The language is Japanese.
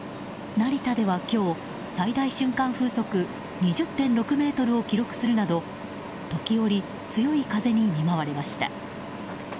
成田では今日、最大瞬間風速２０．６メートルを記録するなど時折、強い風に見舞われました。